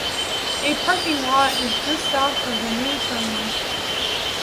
A parking lot is just south of the new terminal.